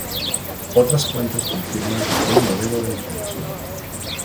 Otras fuentes confirman que fue un modelo de moderación.